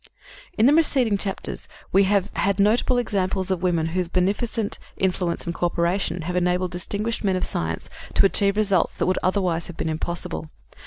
In the preceding chapters we have had notable examples of women whose beneficent influence and coöperation have enabled distinguished men of science to achieve results that would otherwise have been impossible.